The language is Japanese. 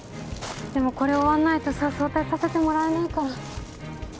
でもこれ終わんないとさ早退させてもらえないから。